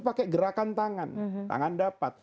pakai gerakan tangan tangan dapat